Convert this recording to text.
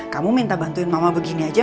kamu minta bantuin mama begini aja